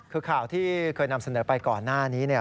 คือข่าวที่เคยนำเสนอไปก่อนหน้านี้เนี่ย